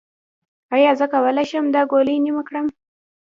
ایا زه کولی شم دا ګولۍ نیمه کړم؟